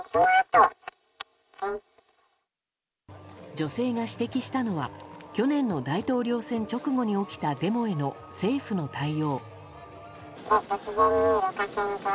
女性が指摘したのは去年の大統領選直後に起きたデモへの、政府の対応。